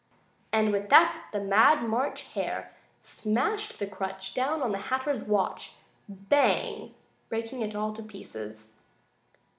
and with this the March Hare smashed the crutch down on the Hatter's watch, "Bang!" breaking it all to pieces!